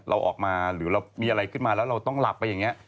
เราออกมาหรือเรามีอะไรขึ้นมาแล้วเราต้องหลับไปอย่างนี้